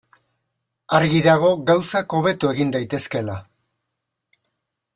Argi dago gauzak hobeto egin daitezkeela.